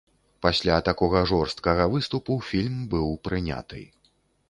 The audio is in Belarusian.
Пасля такога жорсткага выступу фільм быў прыняты.